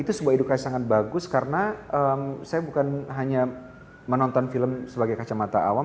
itu sebuah edukasi sangat bagus karena saya bukan hanya menonton film sebagai kacamata awam